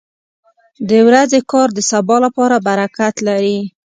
• د ورځې کار د سبا لپاره برکت لري.